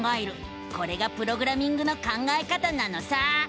これがプログラミングの考え方なのさ！